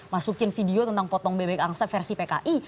masukin video tentang potong bebek angsa versi pki